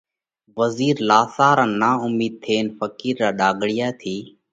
وزِير لاسار ان نا اُومِيڌ ٿينَ ڦقِير را ڍاۯِيا ٿِي